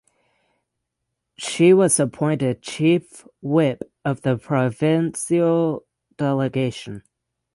She was appointed chief whip of the provincial delegation.